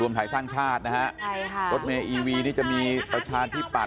รวมไทยสร้างชาตินะฮะรถเมย์อีวีที่จะมีประชาติที่ปัด